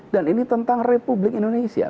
dan ini tentang republik indonesia